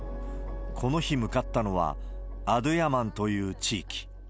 この日向かったのはアドゥヤマンという地域。